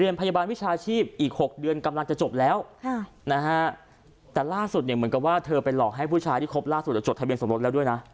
พยาบาลวิชาชีพอีก๖เดือนกำลังจะจบแล้วแต่ล่าสุดเนี่ยเหมือนกับว่าเธอไปหลอกให้ผู้ชายที่คบล่าสุดจะจดทะเบียสมรสแล้วด้วยนะ